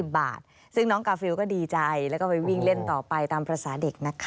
บาทซึ่งน้องกาฟิลก็ดีใจแล้วก็ไปวิ่งเล่นต่อไปตามภาษาเด็กนะคะ